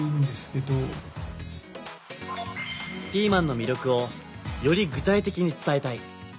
ピーマンの魅力をより具体的につたえたい。